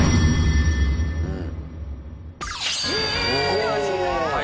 うん。